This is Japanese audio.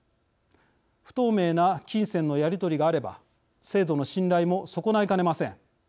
不透明な金銭のやり取りがあれば制度の信頼も損ないかねません。